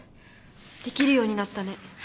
できるようになったね。